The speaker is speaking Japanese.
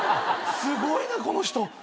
すごいなこの人。